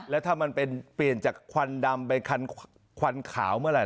แล้วถ้ามันเป็นเปลี่ยนจากควันดำไปคันควันขาวเมื่อไหร